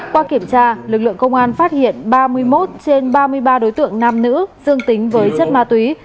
qua kiểm tra lực lượng công an phát hiện ba mươi một trên ba mươi ba đối tượng nam nữ dương tính với chất ma túy